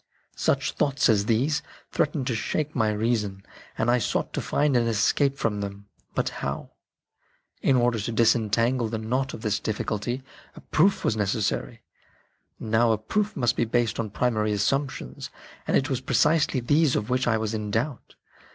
Such thoughts as these threatened to shake my reason, and I sought to find an escape from them. But how ? In order to disentangle the knot of this difficulty, a proof was necessary. Now a proof must be based on primary assumptions, and it was precisely these of which I was in doubt.